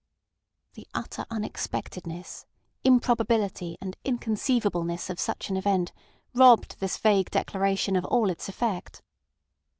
The utter unexpectedness, improbability, and inconceivableness of such an event robbed this vague declaration of all its effect.